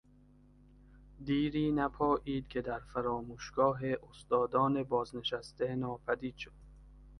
دیری نپائید که در فراموشگاه استادان بازنشسته ناپدید شد.